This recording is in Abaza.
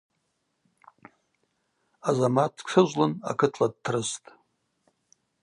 Азамат дтшыжвлын акытла дтрыстӏ.